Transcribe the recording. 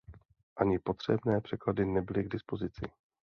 Ani potřebné překlady nebyly k dispozici.